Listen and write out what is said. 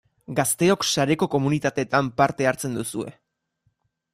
Gazteok sareko komunitateetan parte hartzen duzue.